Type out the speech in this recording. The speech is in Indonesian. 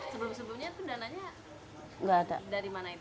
sebelum sebelumnya itu dananya dari mana itu